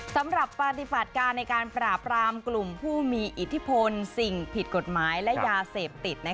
สำหรับปฏิบัติการในการปราบรามกลุ่มผู้มีอิทธิพลสิ่งผิดกฎหมายและยาเสพติด